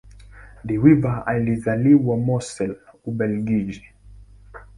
De Wever alizaliwa Mortsel, Ubelgiji.